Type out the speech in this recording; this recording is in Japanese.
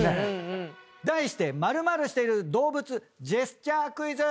題して○○している動物ジェスチャークイズ！